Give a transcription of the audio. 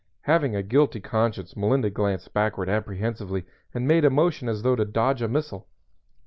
Having a guilty conscience Melinda glanced backward apprehensively and made a motion as though to dodge a missile.